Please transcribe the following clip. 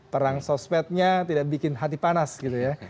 perang sosmed nya tidak bikin hati panas gitu ya